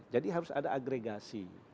jadi harus ada agregasi